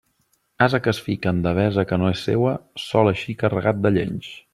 Ase que es fica en devesa que no és seua, sol eixir carregat de llenys.